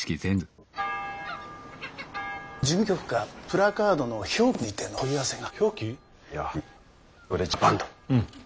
事務局からプラカードの表記についての問い合わせが。